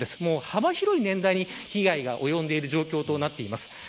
幅広い年代に被害が及んでいる状況となっています。